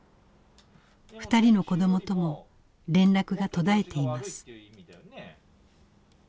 ２人の子どもとも連絡が途絶えています。